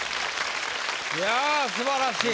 いや素晴らしい。